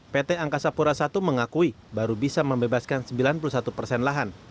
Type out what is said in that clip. pt angkasa pura i mengakui baru bisa membebaskan sembilan puluh satu persen lahan